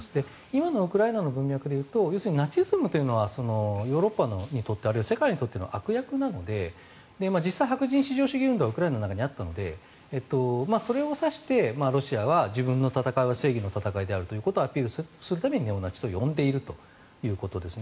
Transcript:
今のウクライナの文脈でいうとナチズムというのはヨーロッパにとってあるいは世界にとっての悪役なので実際、白人至上主義運動がウクライナの中にあったのでそれを指してロシアは自分の戦いを正義の戦いだとアピールするためにネオナチと呼んでいるということです。